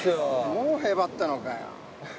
もうへばったのかよ。